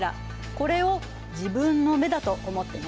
これを自分の目だと思ってね。